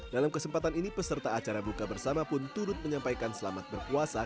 dalam kesempatan ini peserta acara buka bersama pun turut menyampaikan selamat berpuasa